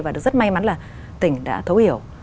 và rất may mắn là tỉnh đã thấu hiểu